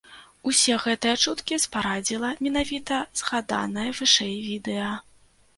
Усе гэтыя чуткі спарадзіла менавіта згаданае вышэй відэа.